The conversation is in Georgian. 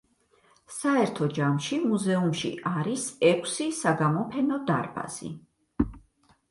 საერთო ჯამში მუზეუმში არის ექვსი საგამოფენო დარბაზი.